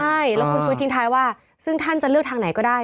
ใช่แล้วคุณชุวิตทิ้งท้ายว่าซึ่งท่านจะเลือกทางไหนก็ได้